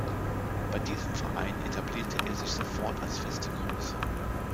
Bei diesem Verein etablierte er sich sofort als feste Größe.